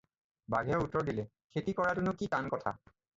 "বাঘে উত্তৰ দিলে- "খেতি কৰাটোনো কি টান কথা?"